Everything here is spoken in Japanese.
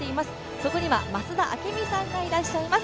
そこには増田明美さんがいらっしゃいます。